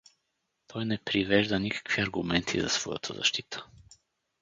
Той не привежда никакви аргументи за своята защита.